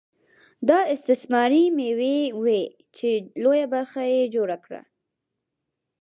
دا استثماري مېوې وې چې لویه برخه یې جوړه کړه